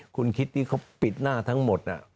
คุณคิดที่เขาปิดหน้าทั้งหมด